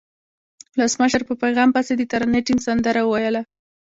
ولسمشر په پیغام پسې د ترانې ټیم سندره وویله.